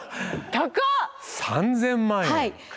３，０００万円！